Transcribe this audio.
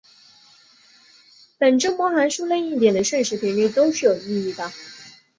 本征模函数任意一点的瞬时频率都是有意义的。